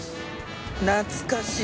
懐かしい。